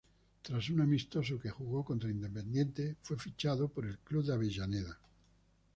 Tras un amistoso que jugó contra Independiente, fue fichado por el club de Avellaneda.